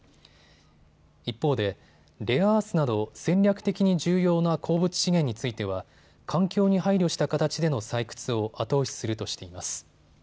一方でレアアースなど戦略的に重要な鉱物資源については環境に配慮した形での採掘を後押しするとしています。